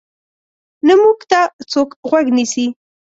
نه موږ ته څوک غوږ نیسي.